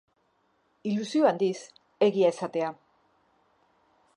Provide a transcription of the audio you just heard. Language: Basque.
Ilusio handiz, egia esatea.